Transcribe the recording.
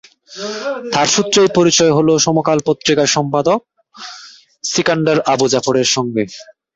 তাঁর সূত্রেই পরিচয় হলো সমকাল পত্রিকার সম্পাদক সিকান্দার আবু জাফরের সঙ্গে।